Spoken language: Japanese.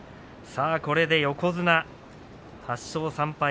さあ、これで横綱８勝３敗。